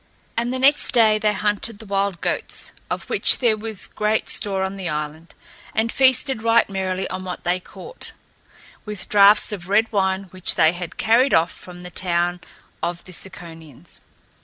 And the next day they hunted the wild goats, of which there was great store on the island, and feasted right merrily on what they caught, with draughts of red wine which they had carried off from the town of the Ciconians.